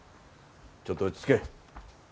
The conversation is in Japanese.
ちょっと落ち着け。